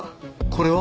これは？